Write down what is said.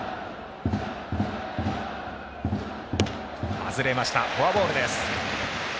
外れました、フォアボールです。